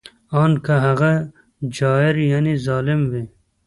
ان که هغه جائر یعنې ظالم وي